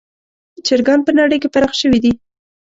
چرګان په نړۍ کې پراخ شوي دي.